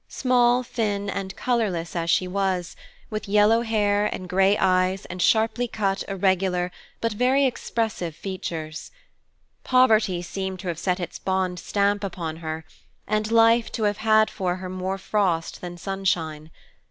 Small, thin, and colorless she was, with yellow hair, gray eyes, and sharply cut, irregular, but very expressive features. Poverty seemed to have set its bond stamp upon her, and life to have had for her more frost than sunshine.